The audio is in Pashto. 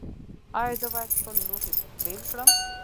ایا زه باید خپل لوښي بیل کړم؟